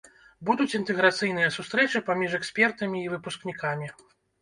Будуць інтэграцыйныя сустрэчы паміж экспертамі і выпускнікамі.